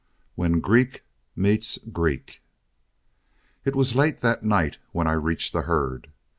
WHEN GREEK MEETS GREEK It was late that night when I reached the herd.